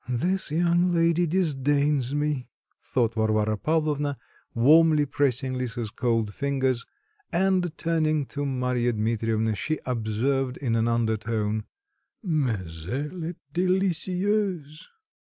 "This young lady disdains me," thought Varvara Pavlovna, warmly pressing Lisa's cold fingers, and turning to Marya Dmitrievna, she observed in an undertone, "mais elle est délicieuse!"